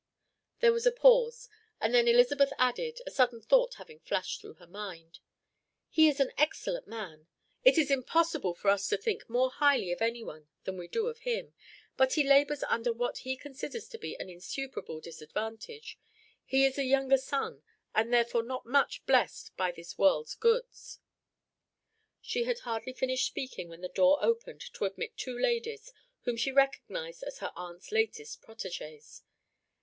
There was a pause, and then Elizabeth added, a sudden thought having flashed through her mind: "He is an excellent man; it is impossible for us to think more highly of anyone than we do of him; but he labours under what he considers to be an insuperable disadvantage he is a younger son, and therefore not much blessed with this world's goods." She had hardly finished speaking when the door opened to admit two ladies, whom she recognized as her aunt's latest protégées.